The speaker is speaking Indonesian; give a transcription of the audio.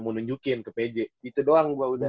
mau nunjukin ke pj itu doang gue udah